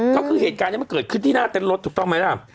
ก็คือเหตุการณ์นี้มันเกิดขึ้นที่หน้าเต้นรถถูกต้องไหมล่ะ